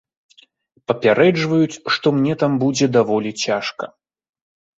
Папярэджваюць, што мне там будзе даволі цяжка.